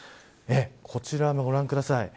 こちら、ご覧ください。